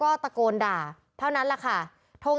เพราะถูกทำร้ายเหมือนการบาดเจ็บเนื้อตัวมีแผลถลอก